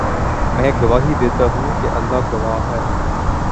میں گواہی دیتا ہوں کہ اللہ گواہ ہے